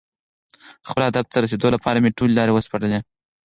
خپل هدف ته د رسېدو لپاره مې ټولې لارې وسپړلې.